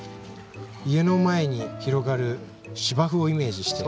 家の前に広がる芝生をイメージして。